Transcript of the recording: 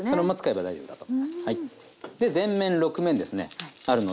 はい。